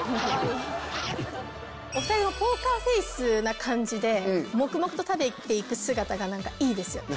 お２人がポーカーフェースな感じで黙々と食べて行く姿がいいですよね。